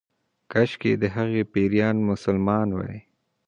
کشکې د هغې پيريان مسلمان وای